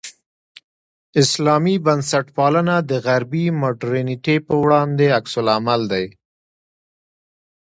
اسلامي بنسټپالنه د غربي مډرنیتې پر وړاندې عکس العمل دی.